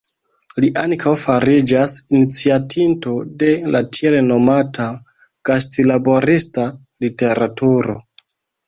Li ankaŭ fariĝas iniciatinto de la tiel nomata gastlaborista literaturo.